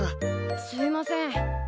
すいません。